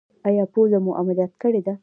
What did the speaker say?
ایا پوزه مو عملیات کړې ده؟